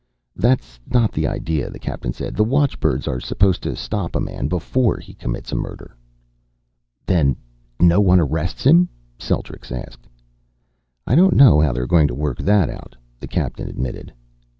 "That's not the idea," the captain said. "The watchbirds are supposed to stop a man before he commits a murder." "Then no one arrests him?" Celtrics asked. "I don't know how they're going to work that out," the captain admitted.